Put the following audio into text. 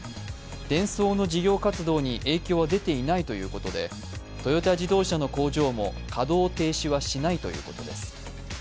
デンソーの事業活動に影響は出ていないということで、トヨタ自動車の工場も稼働停止はしないということです。